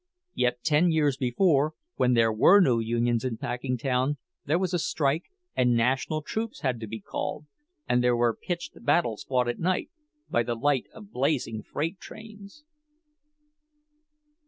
Yet ten years before, when there were no unions in Packingtown, there was a strike, and national troops had to be called, and there were pitched battles fought at night, by the light of blazing freight trains.